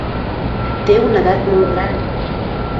Té una edat molt gran.